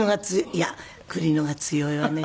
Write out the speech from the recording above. いや久里の方が強いわね。